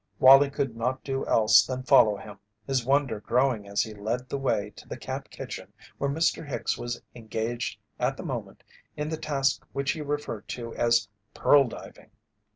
Wallie could not do else than follow him, his wonder growing as he led the way to the camp kitchen where Mr. Hicks was engaged at the moment in the task which he referred to as "pearl diving."